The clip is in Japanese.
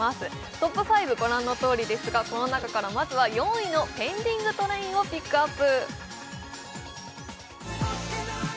トップ５はご覧のとおりですが、この中からまずは４位の「ペンディングトレイン」をピックアップ。